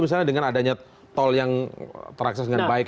misalnya dengan adanya tol yang terakses dengan baik